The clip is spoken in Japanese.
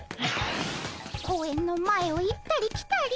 公園の前を行ったり来たり。